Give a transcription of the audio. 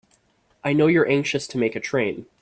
I know you're anxious to make a train.